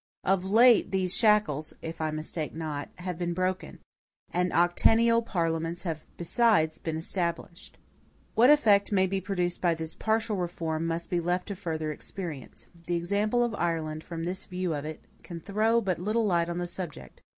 Of late these shackles, if I mistake not, have been broken; and octennial parliaments have besides been established. What effect may be produced by this partial reform, must be left to further experience. The example of Ireland, from this view of it, can throw but little light on the subject.